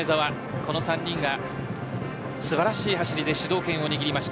この３人が素晴らしい走りで主導権を握りました。